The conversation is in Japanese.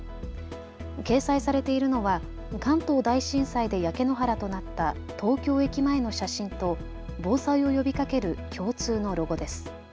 掲載されているのは関東大震災で焼け野原となった東京駅前の写真と防災を呼びかける共通のロゴです。